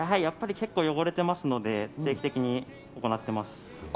結構汚れていますので定期的に行っています。